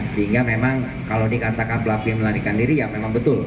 sehingga memang kalau dikatakan pelaku b melarikan diri ya memang betul